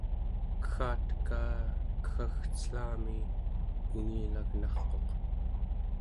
keggateka keggagcelami ungilagnarquq